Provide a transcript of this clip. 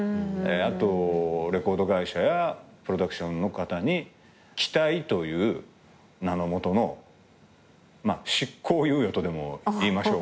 あとレコード会社やプロダクションの方に期待という名の下の執行猶予とでも言いましょうか。